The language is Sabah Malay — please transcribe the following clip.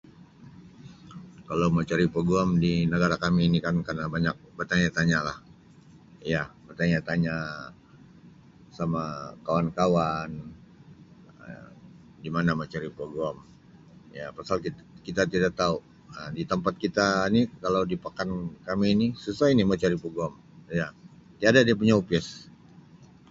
Kalau mau cari peguam di negara kami ni kena banyak betanya-tanya lah iya betanya-tanya sama kawan-kawan Um di mana mau cari peguam ya pasal kit-kita tidak tau Um di tempat kita ni kalau di pekan kami ni susah ini mau cari peguam iya tiada dia punya opis.